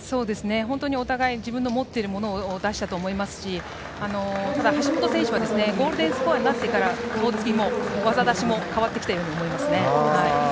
本当にお互い自分の持ってるものを出したと思いますしただ橋本選手はゴールデンスコアになってから顔つきも技出しも変わってきたように思いますね。